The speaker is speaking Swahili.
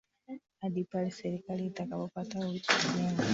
hadi pale serikali itakapopata kujenga